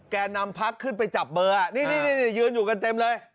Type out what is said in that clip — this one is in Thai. แก่นำพักขึ้นไปจับเบอร์นี่ยืนอยู่กันเต็มเลย